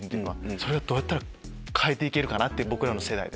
それをどうやったら変えていけるか僕らの世代で。